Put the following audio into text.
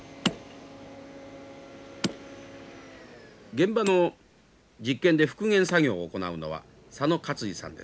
現場の実験で復元作業を行うのは左野勝司さんです。